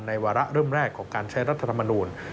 วาระเริ่มแรกของการใช้รัฐธรรมนูล